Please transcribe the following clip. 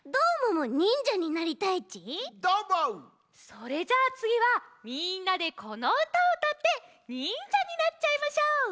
それじゃあつぎはみんなでこのうたをうたって忍者になっちゃいましょう！